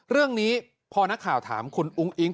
เรื่องนี้พอนักข่าวถามคุณอุ้งอิ๊ง